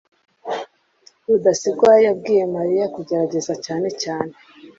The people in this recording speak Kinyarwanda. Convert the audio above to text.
rudasingwa yabwiye mariya kugerageza cyane cyane